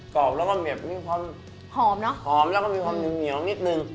กรอบแล้วก็เหม็บมีความหอมเนอะหอมแล้วก็มีความเหนียวนิดนึง